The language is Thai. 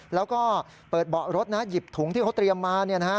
แล้วก็เปิดเบาะรถนะหยิบถุงที่เขาเตรียมมา